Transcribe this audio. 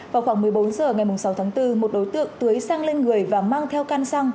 vào khoảng một mươi bốn h ngày sáu tháng bốn một đối tượng tưới sang lên người và mang theo căn xăng